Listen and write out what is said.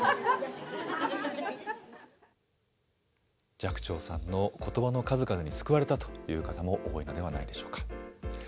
寂聴さんのことばの数々に救われたという方も多いのではないでしょうか。